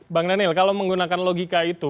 bang daniel kalau menggunakan logika itu